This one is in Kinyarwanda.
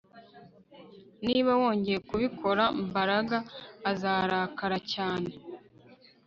Niba wongeye kubikora Mbaraga azarakara cyane